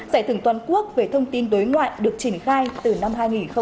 giải thưởng toàn quốc về thông tin đối ngoại được trình khai từ năm hai nghìn một mươi tám